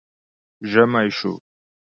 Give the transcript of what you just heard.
ژمی شو